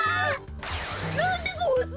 なんでごわす！